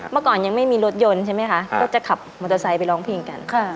เมื่อก่อนยังไม่มีรถยนต์ใช่ไหมคะก็จะขับมอเตอร์ไซค์ไปร้องเพลงกัน